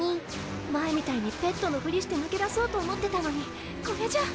前みたいにペットのふりして抜け出そうと思ってたのにこれじゃ。